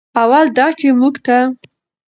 اول دا چې موږ ته